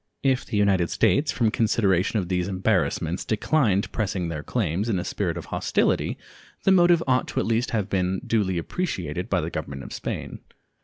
If the United States, from consideration of these embarrassments, declined pressing their claims in a spirit of hostility, the motive ought at least to have been duly appreciated by the Government of Spain.